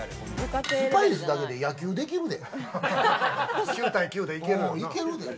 スパイスだけで野球できるで。